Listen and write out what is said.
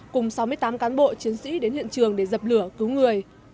cùng sáu mươi tám cán bộ chiến sĩ đến hiện trường để dập lửa cứu người